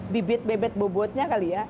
bibit bibit bobotnya kali ya